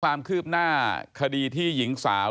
ความคืบหน้าคดีที่หญิงสาว